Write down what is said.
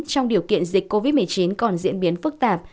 trong điều kiện dịch covid một mươi chín còn diễn biến phức tạp